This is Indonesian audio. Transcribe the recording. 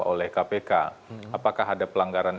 oleh kpk apakah ada pelanggaran